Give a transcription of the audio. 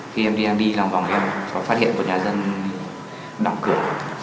khi em đi làm vòng em có phát hiện một nhà dân đọc cửa